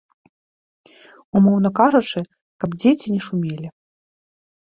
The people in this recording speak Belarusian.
Умоўна кажучы, каб дзеці не шумелі.